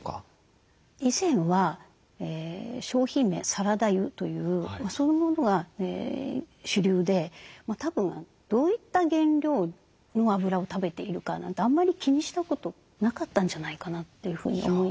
以前は商品名「サラダ油」というそういうものが主流でたぶんどういった原料のあぶらを食べているかなんてあんまり気にしたことなかったんじゃないかなというふうに思います。